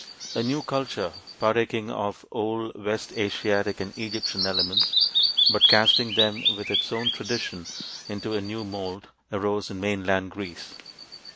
A new culture, partaking of older west Asiatic and Egyptian elements, but casting them with its own tradition into a new mould, arose in mainland Greece.